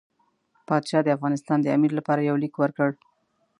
پاشا د افغانستان د امیر لپاره یو لیک ورکړ.